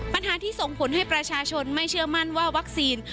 ปัญหาที่ส่งผลให้ประชาชนไม่เชื่อมั่นว่าวัคซีน